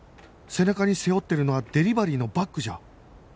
背中に背負っているのはデリバリーのバッグじゃ？